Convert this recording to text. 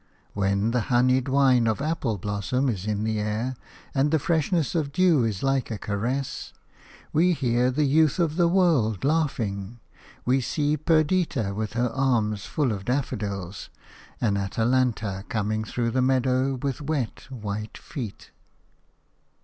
When the honeyed wine of apple blossom is in the air and the freshness of dew is like a caress, we hear the youth of the world laughing – we see Perdita with her arms full of daffodils, and Atalanta coming through the meadows with wet, white feet.